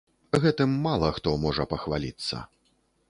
Гэтым мала хто можа пахваліцца.